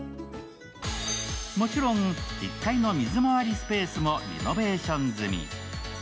もちろん１階の水まわりスペースもリノベーション済み。